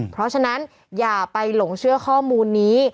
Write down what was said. เพราะฉะนั้นอย่าไปหลงเชื่อข้อมูลนี้